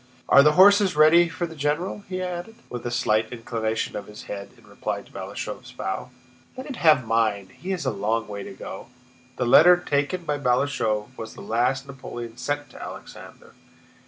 "Are the horses ready for the general?" he added, with a slight inclination of his head in reply to Balashëv's bow. "Let him have mine, he has a long way to go!" The letter taken by Balashëv was the last Napoleon sent to Alexander.